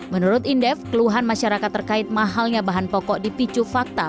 menurut indef keluhan masyarakat terkait mahalnya bahan pokok dipicu fakta